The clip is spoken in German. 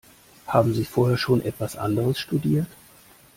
Haben Sie vorher schon etwas anderes studiert?